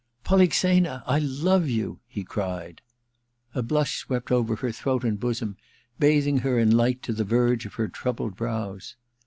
* Polixena, I love you !* he cried. A blush swept over her throat and bosom, bathing her in light to the verge of her troubled brows.